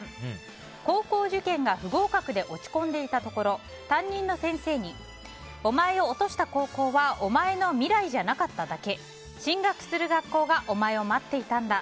高校受験が不合格で落ち込んでいたところ担任の先生にお前を落とした高校はお前の未来じゃなかっただけ進学する学校がお前を待っていたんだ。